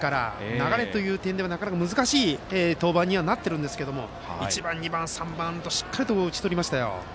流れという点ではなかなか難しい登板にはなってるんですが１番、２番、３番としっかりと打ち取りましたよ。